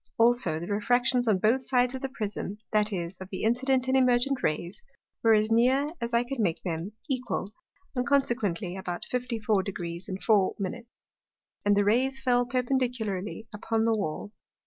Also the Refractions on both sides the Prism, that is, of the Incident, and Emergent Rays, were as near, as I could make them, equal, and consequently about 54° 4'. And the Rays fell perpendicularly upon the Wall.